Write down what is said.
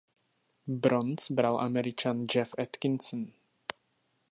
Bronz bral Američan Jeff Atkinson.